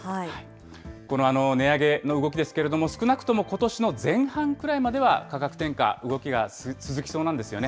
この値上げの動きですけれども、少なくともことしの前半くらいまでは、価格転嫁、動きが続きそうなんですよね。